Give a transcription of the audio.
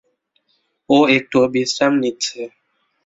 ও একটু বিশ্রাম নিচ্ছে।